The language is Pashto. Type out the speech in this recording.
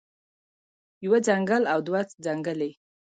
يوه څنګل او دوه څنګلې